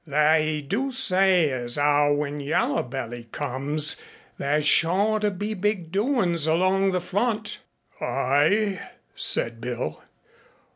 They do say 'as 'ow when Yaller belly comes, there's sure to be big doin's along the front." "Aye," said Bill.